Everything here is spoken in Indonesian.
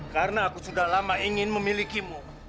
karena aku sudah lama ingin memilikimu